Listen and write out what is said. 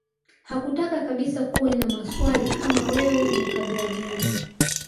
Hakutaka kabisa kuwe na maswali kama wewe ni kabila gani